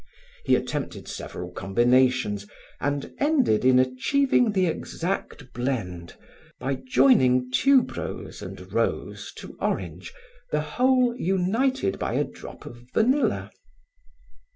He attempted several combinations and ended in achieving the exact blend by joining tuberose and rose to orange, the whole united by a drop of vanilla.